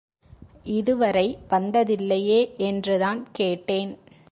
இதுவரை வந்ததில்லையே என்று தான் கேட்டேன்.